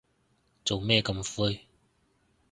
做咩咁灰